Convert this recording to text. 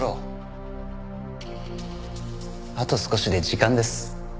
あと少しで時間です。